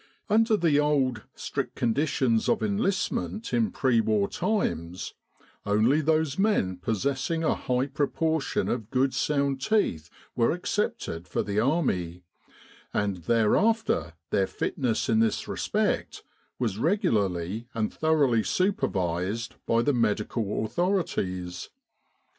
Under the old, strict conditions of enlistment in pre war times, only those men possessing a high proportion of good sound teeth were accepted for the Army, and thereafter their fitness in this respect was regularly and thoroughly supervised by the medical authorities.